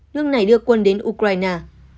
nước này đưa quân đến ukraine